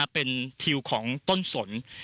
เป็นทิวของต้นสน